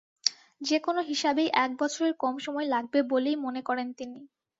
যেকোনো হিসাবেই এক বছরের কম সময় লাগবে বলেই মনে করেন তিনি।